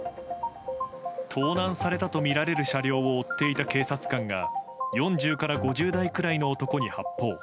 盗難されたとみられる車両を追っていた警察官が４０から５０代くらいの男に発砲。